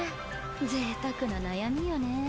ぜいたくな悩みよね。